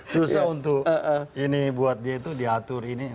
susah untuk ini buat dia itu diatur ini